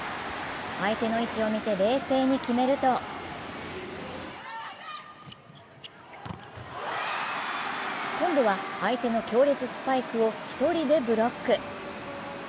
相手の位置を見て冷静に決めると今度は相手の強烈スパイクを１人でブロック。